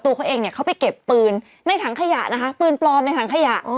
แต่ว่าตัวเขาเองเข้าไปเก็บปืนในถังขยะนะคะปืนปลอมในถังขยะ